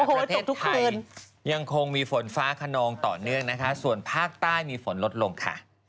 ประเทศไทยยังคงมีฝนฟ้าขนองต่อเนื่องนะคะส่วนภาคใต้มีฝนลดลงค่ะ